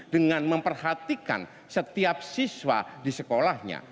dengan memperhatikan setiap siswa di sekolahnya